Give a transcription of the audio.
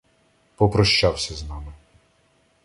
Попрощався з нами.